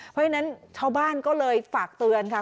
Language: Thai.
เพราะฉะนั้นชาวบ้านก็เลยฝากเตือนค่ะ